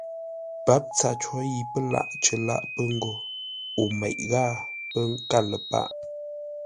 Pǎp tsâr có yi pə́ lâʼ cər lâʼ pə́ ngô o meʼ ghâa pə́ nkâr ləpâʼ.